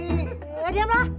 ya diam lah